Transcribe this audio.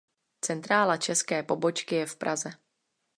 Centrála české pobočky je v Praze.